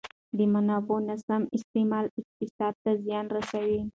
د منابعو ناسم استعمال اقتصاد ته زیان رسوي.